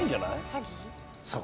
詐欺？